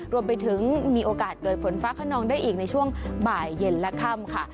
รวมไปถึงมีโอกาสเกิดฝนฟ้าขนองได้อีกในช่วงบ่ายเย็นและค่ำค่ะ